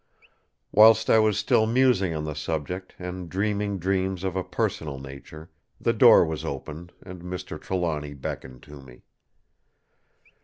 Whilst I was still musing on the subject, and dreaming dreams of a personal nature, the door was opened, and Mr. Trelawny beckoned to me.